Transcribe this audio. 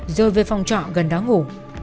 rồi về phòng trọ gần đó ngủ